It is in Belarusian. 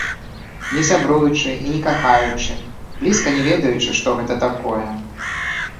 Не сябруючы і не кахаючы, блізка не ведаючы, што гэта такое.